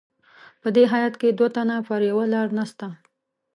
په دې هیات کې دوه تنه پر یوه لار نسته.